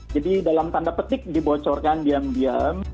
dalam tanda petik dibocorkan diam diam